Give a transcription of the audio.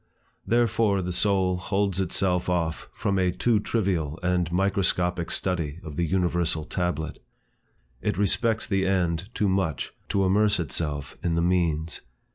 Therefore the soul holds itself off from a too trivial and microscopic study of the universal tablet. It respects the end too much, to immerse itself in the means.